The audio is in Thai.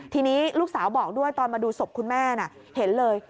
ทีนี้ลูกสาวบอกด้วยตอนมาดูศพคุณแม่เห็นเลย